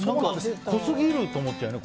濃すぎると思っちゃうよね。